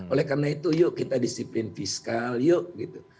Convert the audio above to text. oleh karena itu yuk kita disiplin fiskal yuk gitu